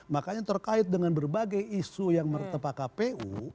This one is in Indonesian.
makanya terkait dengan berbagai isu yang menertepak kpu